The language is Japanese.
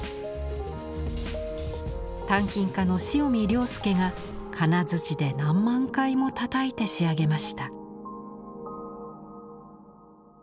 鍛金家の塩見亮介がかなづちで何万回もたたいて仕上げました。